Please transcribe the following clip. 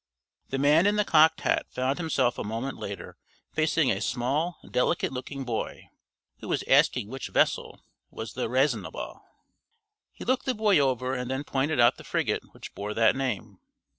The man in the cocked hat found himself a moment later facing a small delicate looking boy, who was asking which vessel was the Raisonnable. He looked the boy over and then pointed out the frigate which bore that name.